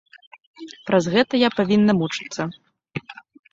Праз гэта я павінна мучыцца.